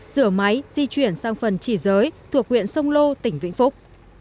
rửa máy di chuyển sang phần chỉ giới thuộc huyện sông lô tỉnh vĩnh phúc